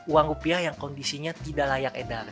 uang rupiah yang kondisinya tidak layak edar